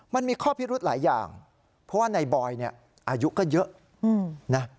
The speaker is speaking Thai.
มันมีข้อพิรุธหลายอย่างเพราะว่าในบอยเนี่ยอายุก็เยอะนะ